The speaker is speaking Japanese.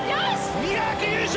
ミラーク優勝！